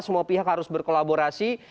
semua pihak harus berkolaborasi